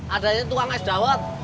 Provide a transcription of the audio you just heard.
adanya tukang ais dawet